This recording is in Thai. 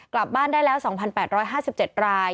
กลับบ้านได้แล้ว๒๘๕๗ราย